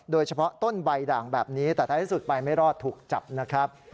โดยเฉพาะต้นใบด่างแบบนี้แต่ท้ายที่สุดไปไม่รอดถูกจับนะครับ